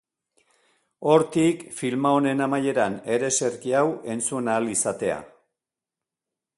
Hortik, filma honen amaieran ereserkia hau entzun ahal izatea.